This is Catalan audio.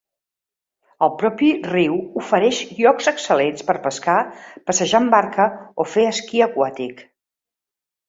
El propi riu ofereix llocs excel·lents per pescar, passejar en barca o fer esquí aquàtic.